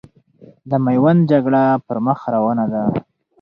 د میوند جګړه پرمخ روانه ده.